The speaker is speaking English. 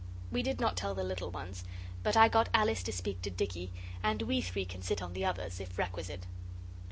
We did not tell the little ones, but I got Alice to speak to Dicky, and we three can sit on the others if requisite.